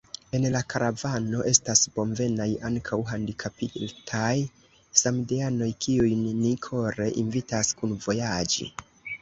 En la karavano estas bonvenaj ankaŭ handikapitaj samideanoj, kiujn ni kore invitas kunvojaĝi.